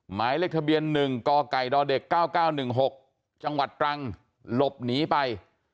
หมายเลขทะเบียน๑กกด๙๙๑๖จังหวัดตรังหลบหนีไป